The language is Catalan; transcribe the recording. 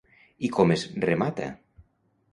I com es remata?